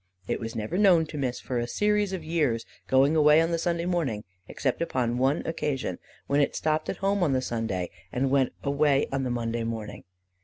It was never known to miss for a series of years, going away on the Sunday morning, except upon one occasion, when it stopped at home on the Sunday, and went away on the Monday morning.